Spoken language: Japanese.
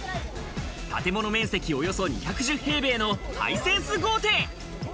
建物面積およそ２１０平米のハイセンス豪邸。